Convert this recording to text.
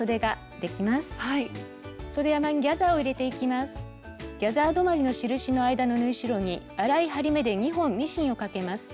ギャザー止まりの印の間の縫い代に粗い針目で２本ミシンをかけます。